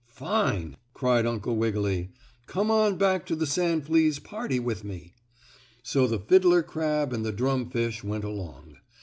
"Fine!" cried Uncle Wiggily. "Come on back to the sand fleas' party with me." So the fiddler crab and the drum fish went along.